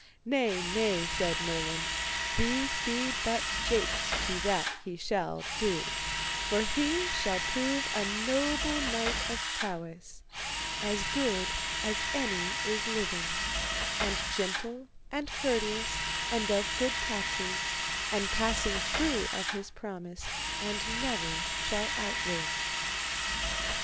Nay, nay, said Merlin, these be but japes to that he shall do; for he shall prove a noble knight of prowess, as good as any is living, and gentle and courteous, and of good tatches, and passing true of his promise, and never shall outrage.